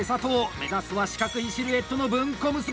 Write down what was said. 目指すは四角いシルエットの文庫結び！